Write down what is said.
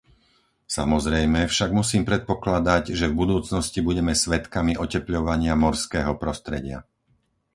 Samozrejme, však musím predpokladať, že v budúcnosti budeme svedkami otepľovania morského prostredia.